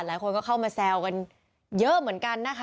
หลายคนก็เข้ามาแซวกันเยอะเหมือนกันนะคะ